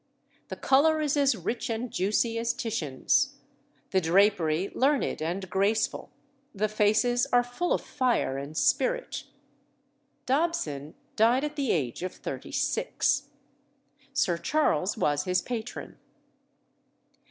The colour is as rich and juicy as Titian's, the drapery learned and graceful, the faces are full of fire and spirit. Dobson died at the age of thirty six. Sir Charles was his patron.